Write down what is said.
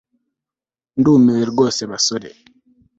Ndumiwe rwose basore